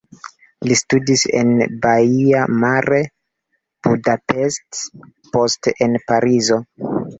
Li studis en Baia Mare, Budapest, poste en Parizo.